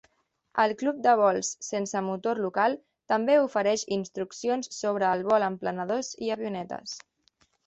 El club de vols sense motor local també ofereix instruccions sobre el vol amb planadors i avionetes.